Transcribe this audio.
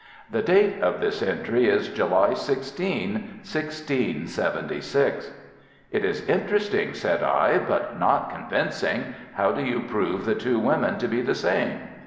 The date of this entry is July 16, 1676." "It is interesting," said I, "but not convincing. How do you prove the two women to be the same?"